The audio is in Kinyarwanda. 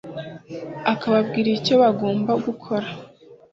akababwira icyo bagomba gukora